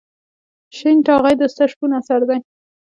شین ټاغی د استاد شپون اثر دی.